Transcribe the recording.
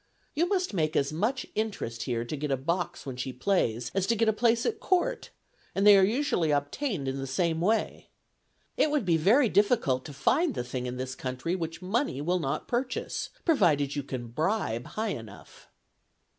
... You must make as much interest here to get a box when she plays, as to get a place at Court; and they are usually obtained in the same way. It would be very difficult to find the thing in this country which money will not purchase, provided you can bribe high enough.